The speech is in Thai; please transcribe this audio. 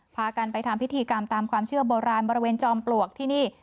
พากันไปทำพิธีกรรมตามความเชื่อโบราณบริเวณจอมปลวกที่นี่